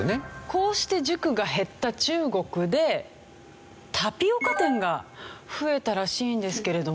こうして塾が減った中国でタピオカ店が増えたらしいんですけれども。